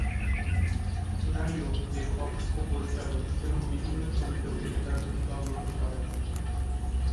সিনারিয়ো-লেখক ও পরিচালক এবং বিভিন্ন ছবিতে অভিনেতার ভূমিকাও গ্রহণ করেন।